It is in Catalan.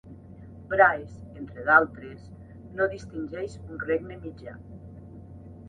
Bryce, entre d'altres, no distingeix un Regne Mitjà.